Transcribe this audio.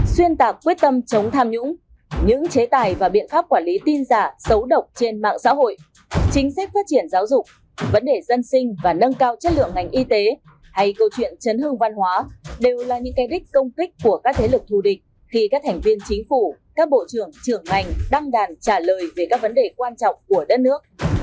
xuyên tạc quyết tâm chống tham nhũng những chế tài và biện pháp quản lý tin giả xấu độc trên mạng xã hội chính sách phát triển giáo dục vấn đề dân sinh và nâng cao chất lượng ngành y tế hay câu chuyện chấn hương văn hóa đều là những cái đích công kích của các thế lực thù địch khi các thành viên chính phủ các bộ trưởng trưởng ngành đăng đàn trả lời về các vấn đề quan trọng của đất nước